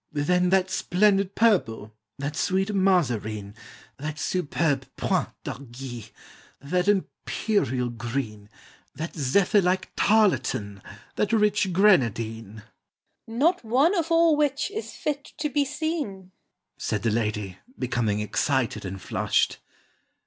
"Then that splendid purple, that sweet Mazarine, That superb point d'aiguille, that imperial green, That zephyr like tarlatan, that rich grenadine" "Not one of all which is fit to be seen," Said the lady, becoming excited and flushed.